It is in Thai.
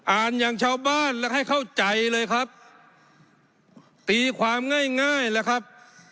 อย่างชาวบ้านและให้เข้าใจเลยครับตีความง่ายง่ายแล้วครับ